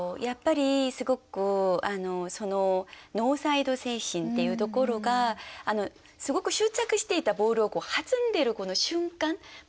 やっぱりすごくそのノーサイド精神っていうところがすごく執着していたボールを弾んでいるこの瞬間。